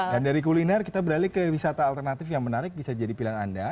dari kuliner kita beralih ke wisata alternatif yang menarik bisa jadi pilihan anda